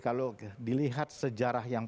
kau tak serendah ini